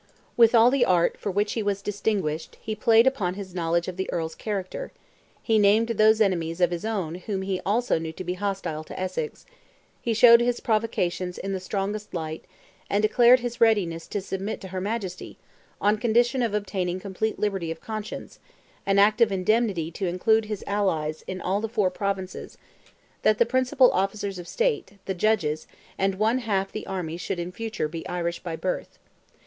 With all the art, for which he was distinguished, he played upon his knowledge of the Earl's character: he named those enemies of his own whom he also knew to be hostile to Essex, he showed his provocations in the strongest light, and declared his readiness to submit to her Majesty, on condition of obtaining complete liberty of conscience, an act of indemnity to include his allies in all the four Provinces; that the principal officers of state, the judges, and one half the army should in future be Irish by birth.